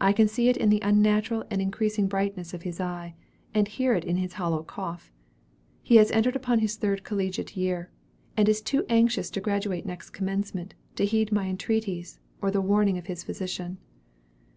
I can see it in the unnatural and increasing brightness of his eye, and hear it in his hollow cough. He has entered upon his third collegiate year; and is too anxious to graduate next commencement, to heed my entreaties, or the warning of his physician."